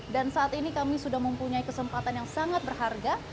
saat ini kami sudah mempunyai kesempatan yang sangat berharga